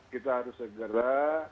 kita harus segera